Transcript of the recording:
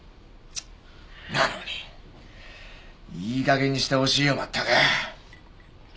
なのにいい加減にしてほしいよまったく！